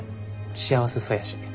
幸せそうやし。